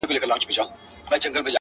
o دا ارزانه افغانان چي سره ګران سي,